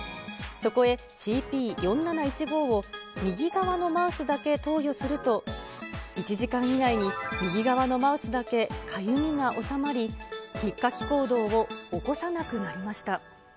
そこへＣＰ４７１５を右側のマウスだけ投与すると、１時間以内に右側のマウスだけかゆみがおさまり、ひっかき行動を起こさなくなりました。